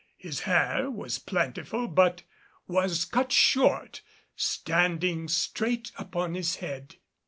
His hair was plentiful but was cut short, standing straight upon his head.